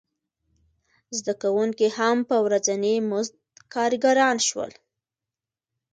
زده کوونکي هم په ورځیني مزد کارګران شول.